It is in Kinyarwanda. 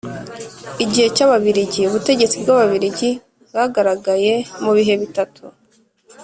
Igihe cy'Ababiligi Ubutegetsi bw'Ababiligi bwagaragaye mu bihe bitatu: